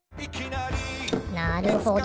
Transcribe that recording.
なるほど。